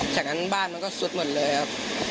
จากนั้นบ้านมันก็ซุดหมดเลยครับ